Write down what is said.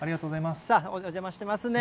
お邪魔してますね。